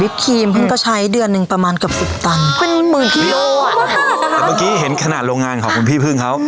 เพิ่งก็ใช้เดือนหนึ่งประมาณเกือบสิบตันเป็นหมื่นกิโลอ่ะแต่เมื่อกี้เห็นขนาดโรงงานของคุณพี่พึ่งเขา